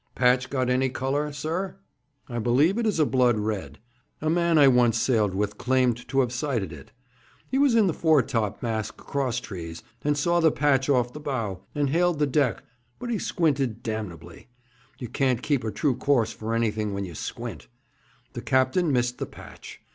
'Patch got any colour, sir?' 'I believe it is a blood red. A man I once sailed with claimed to have sighted it. He was in the foretop mast crosstrees, and saw the patch off the bow, and hailed the deck, but he squinted damnably. You can't keep a true course for anything when you squint. The captain missed the patch.